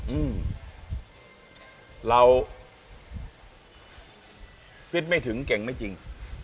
อืมเราฟิตไม่ถึงเก่งไม่จริง